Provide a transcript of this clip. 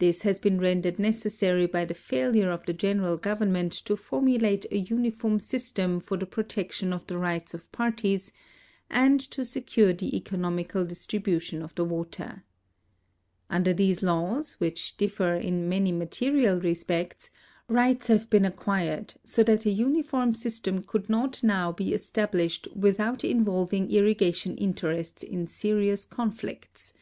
This has been rendered necessary by the fiiilure of the general government to formulate a uniform system for the protection of the rights of jiarties and 56 THE UTILIZATION OF THE VACANT PUBLIC LANDS to secure the economical distribution of the water. Under these laws, which differ in many material respects, rights have been acquired, so that a uniform system could not now be established without involving irrigation interests in serious conflicts.